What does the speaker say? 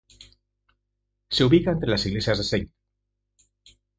Se ubica entre las iglesias de St.